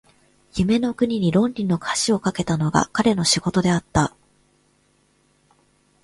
夢の国に論理の橋を架けたのが彼の仕事であった。